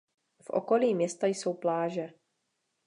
V okolí města jsou pláže.